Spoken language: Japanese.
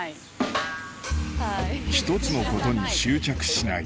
１つのことに執着しない